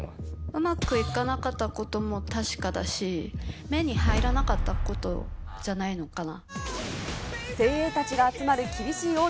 うまくいかなかったことも確かだし、目に入らなかったことじゃないのかな。